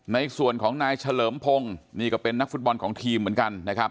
ในส่วนของนายเฉลิมพงศ์นี่ก็เป็นนักฟุตบอลของทีมเหมือนกันนะครับ